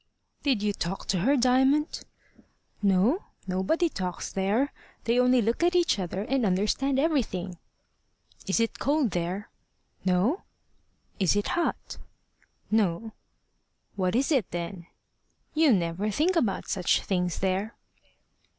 "Did you talk to her, Diamond?" "No. Nobody talks there. They only look at each other, and understand everything." "Is it cold there?" "No." "Is it hot?" "No." "What is it then?" "You never think about such things there."